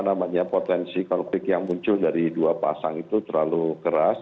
bagi kami partai gerinta potensi konflik yang muncul dari dua pasang itu terlalu keras